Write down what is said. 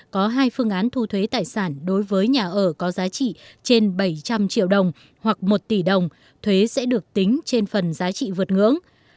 có hai phương án thu thuế tài sản đối với nhà ở có giá trị trên bảy trăm linh triệu đồng hoặc một tỷ đồng thuế sẽ được tính trên phần giá trị vượt ngưỡng